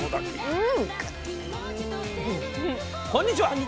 こんにちは。